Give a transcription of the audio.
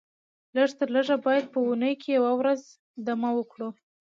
لږ تر لږه باید په اونۍ کې یوه ورځ دمه وکړو